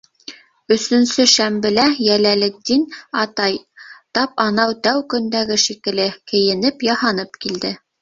Өсөнсө шәмбелә Йәләлетдин атай, тап анау тәү көндәге шикелле, кейенеп-яһанып килде.